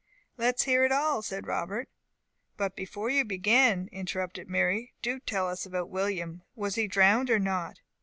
"Let us hear it all," said Robert. "But before you begin," interrupted Mary, "do tell us about William. Was he drowned or not?"